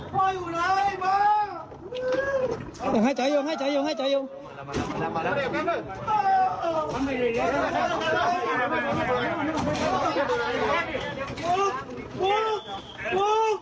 ปุ๊บปุ๊บปุ๊บ